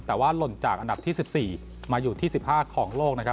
แต่ว่าหล่นจากอันดับที่๑๔มาอยู่ที่๑๕ของโลกนะครับ